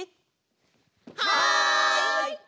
はい！